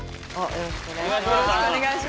よろしくお願いします。